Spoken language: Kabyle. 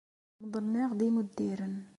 Meḍlen-aɣ d imuddiren.